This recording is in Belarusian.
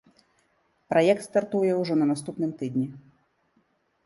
Праект стартуе ўжо на наступным тыдні.